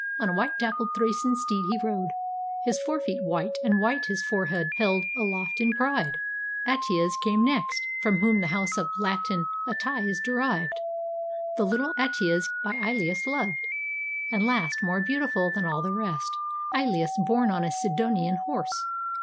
On a white dappled Thracian steed he rode, His forefeet white, and white his forehead held Aloft in pride. Atys came next, from whom The house of Latin Atii is derived; The little Atys, by lulus loved. And last, more beautiful than all the rest, lulus, borne on a Sidonian horse.